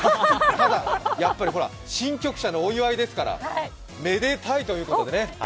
ただ、やっぱり、新局舎のお祝いですからめでたいということでね。